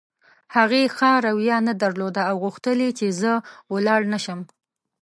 هغې ښه رویه نه درلوده او غوښتل یې چې زه ولاړ نه شم.